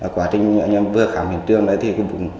quá trình anh em vừa khám hình tương